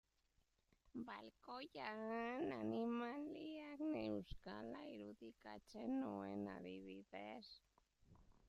Balkoian animaliak neuzkala irudikatzen nuen adibidez.